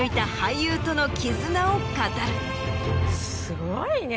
すごいね！